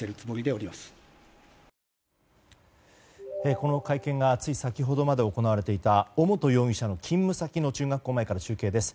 この会見がつい先ほどまで行われていた尾本容疑者の勤務先の中学校前から中継です。